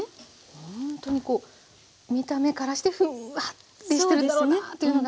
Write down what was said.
ほんとにこう見た目からしてふんわりしてるだろうなというのが。